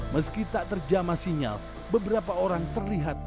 meski tak terjama sinyal beberapa orang terlihat